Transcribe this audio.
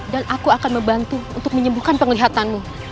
dan aku akan membantu untuk menyembuhkan penglihatanmu